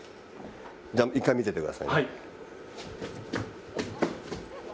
１回、見ててください。